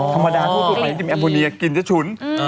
ธรรมดาที่สูดเข้าไปไม่มีอามูเนียกลิ่นจะฉุน